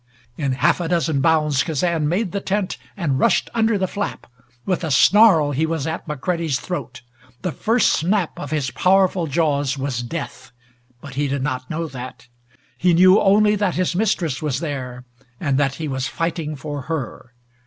In half a dozen bounds Kazan made the tent and rushed under the flap. With a snarl he was at McCready's throat. The first snap of his powerful jaws was death, but he did not know that. He knew only that his mistress was there, and that he was fighting for her.